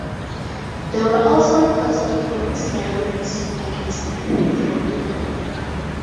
There were also reports of police violence against the women.